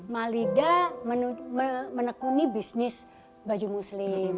malida menekuni bisnis baju muslim